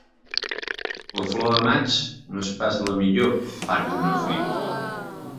La flor de maig no és pas la millor per donar fruit.